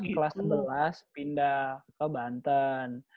kelas sebelas pindah ke banten